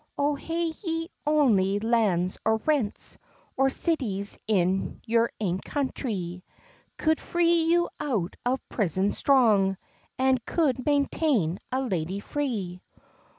"O hae ye ony lands or rents, Or citys in your ain country, Coud free you out of prison strong, An coud maintain a lady free?"